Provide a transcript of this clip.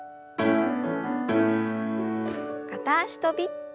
片脚跳び。